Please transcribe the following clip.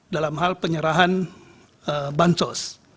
dalam hal penyerahan ban sos